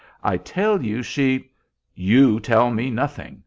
I tell you she " "You tell me nothing!